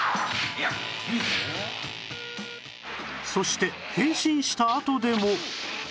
そして変身したあとでも